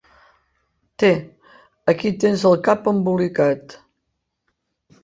Té, aquí tens el cap embolicat.